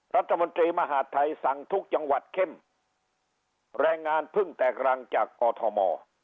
รัฐมนตรีมหาดไทยสั่งทุกจังหวัดเข้มแรงงานเพิ่งแตกรังจากกอทม